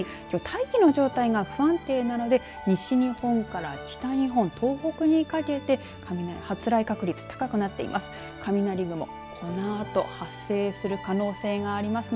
大気の状態が不安定なので西日本から北日本、東北にかけて発雷確率、高くなっています。